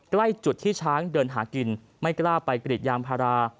ใกล้จุดที่ช้างเดินหากินไม่กล้าไปกรีดยางพารา